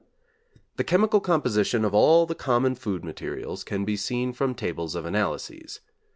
The chemical composition of all the common food materials can be seen from tables of analyses.